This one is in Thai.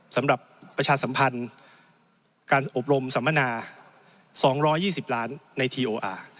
สำหรับประชาสัมพันธ์การอบรมสัมมนาสองร้อยยี่สิบล้านในทีโออาร์